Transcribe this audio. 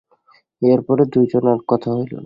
ইহার পরে দুইজনে আর কথা হইল না।